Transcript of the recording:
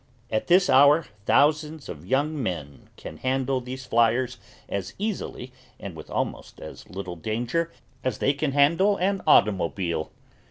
At this hour thousands of young men can handle these flyers as easily and with almost as little danger as they can handle an automobile.